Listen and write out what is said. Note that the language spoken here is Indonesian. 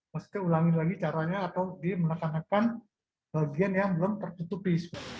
masukkan ulangi lagi caranya atau dimenekan menekan bagian yang belum tertutupi